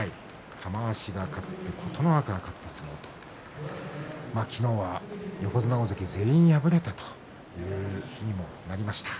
玉鷲が勝って琴ノ若が勝った相撲と昨日は横綱大関全員敗れたという日にもなりました。